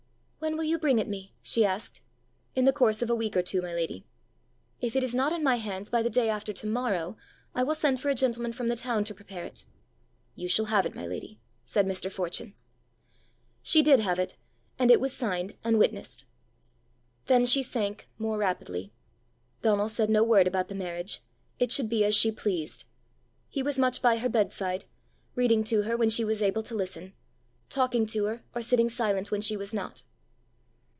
"When will you bring it me?" she asked. "In the course of a week or two, my lady." "If it is not in my hands by the day after to morrow, I will send for a gentleman from the town to prepare it." "You shall have it, my lady," said Mr. Fortune. She did have it, and it was signed and witnessed. Then she sank more rapidly. Donal said no word about the marriage: it should be as she pleased! He was much by her bedside, reading to her when she was able to listen, talking to her or sitting silent when she was not.